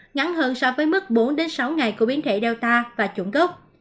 ngắn hơn so với mức bốn đến sáu ngày của biến thể delta và chủng cốc